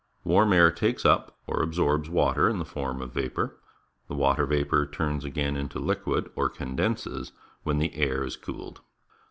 Warm air takes up, or absorbs, water in the form of vapour. The water vapour turns again into liquid, or condenses, when the air is cooled.